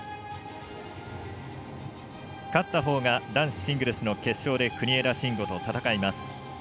勝ったほうが男子シングルスの決勝で国枝慎吾と戦います。